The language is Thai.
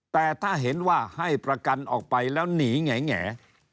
แต่ถ้าเห็นว่าให้ประกันออกไปแล้วหนีแหง